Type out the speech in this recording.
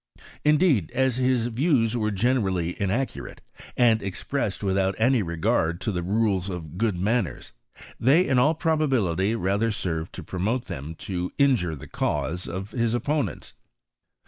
Indeed, as his views were gene rally inaccurate, and expressed without any regard to tlie rules of good manners, they in all probability lather served to promote than to injure the cause of his opponents.